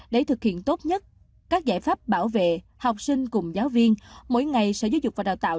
để thực hiện tốt nhất các giải pháp bảo vệ học sinh cùng giáo viên mỗi ngày sở giáo dục và đào tạo